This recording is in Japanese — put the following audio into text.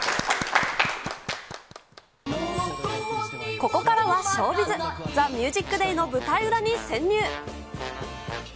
ここからはショービズ、ＴＨＥＭＵＳＩＣＤＡＹの舞台裏に潜入。